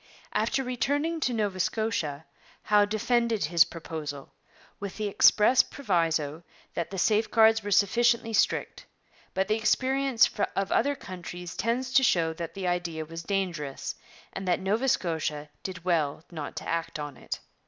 After returning to Nova Scotia Howe defended his proposal, with the express proviso that the safeguards were sufficiently strict; but the experience of other countries tends to show that the idea was dangerous, and that Nova Scotia did well not to act on it.